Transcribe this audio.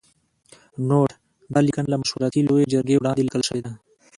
نوټ: دا لیکنه له مشورتي لویې جرګې وړاندې لیکل شوې ده.